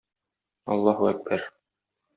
Аллаһу әкбәр!